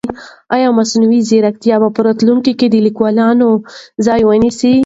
آیا مصنوعي ځیرکتیا به په راتلونکي کې د لیکوالانو ځای ونیسي؟